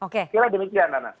kira demikian nana